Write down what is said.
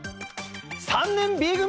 ３年Ｂ組！